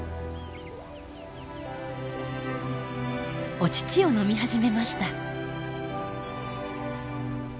お乳を飲み始めました。